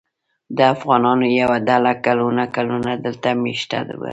د افغانانو یوه ډله کلونه کلونه دلته مېشته ده.